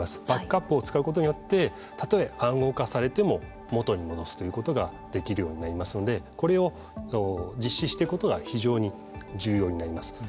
バックアップをということでたとえ暗号化されても元に戻すということができるようになりますのでこれを実施していくことが非常に重要になります。